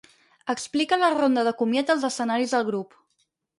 Explica la ronda de comiat dels escenaris del grup.